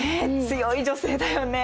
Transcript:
強い女性だよね。